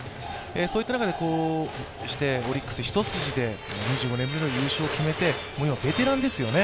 そういった中で、こうしてオリックス一筋で２５年ぶりの優勝を決めて、今ベテランですよね。